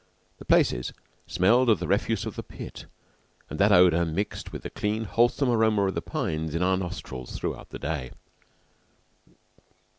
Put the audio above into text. The places smelled of the refuse of the pit, and that odor mixed with the clean, wholesome aroma of the pines in our nostrils throughout the day.